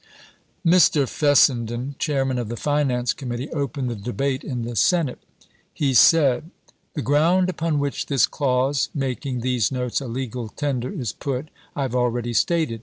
Mr. Fessenden, Chairman of the Finance Commit tee, opened the debate in the Senate. He said : 234 ABKAHAM LINCOLN Chap. XI. The grouud upon whicli this clause making these notes a legal tender is put, I have already stated.